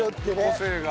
個性が。